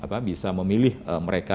dan kami yakin bisa memilih mereka